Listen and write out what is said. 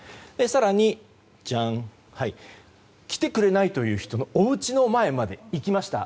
更に、来てくれないという人のおうちの前まで行きました。